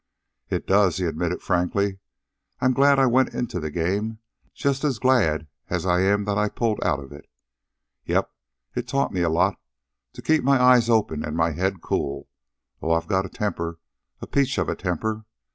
"It does," he admitted frankly. "I'm glad I went into the game just as glad as I am that I pulled out of it.... Yep, it's taught me a lot to keep my eyes open an' my head cool. Oh, I've got a temper, a peach of a temper.